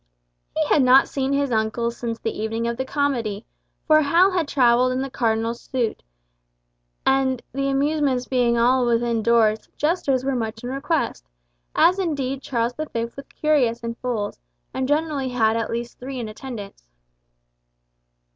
He had not seen his uncle since the evening of the comedy, for Hal had travelled in the Cardinal's suite, and the amusements being all within doors, jesters were much in request, as indeed Charles V. was curious in fools, and generally had at least three in attendance.